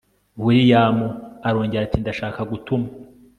william arongera ati ndashaka gutuma